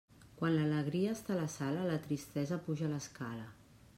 Quan l'alegria està a la sala, la tristesa puja l'escala.